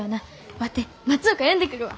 ワテ松岡呼んでくるわ。